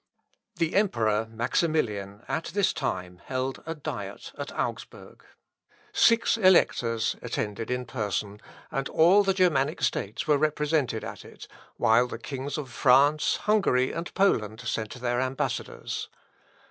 The Emperor Maximilian at this time held a diet at Augsburg, Six Electors attended in person, and all the Germanic States were represented at it, while the kings of France, Hungary, and Poland, sent their ambassadors.